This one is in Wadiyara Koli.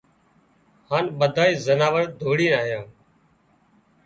هانَ ٻڌانئي زناور ڌوڙينَ آيان